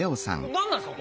何なんですか？